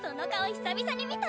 久々に見た！